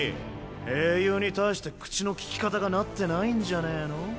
英雄に対して口の利き方がなってないんじゃねぇの？